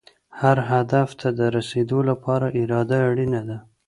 هر هدف ته د رسېدو لپاره اراده اړینه ده.